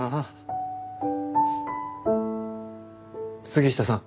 杉下さん。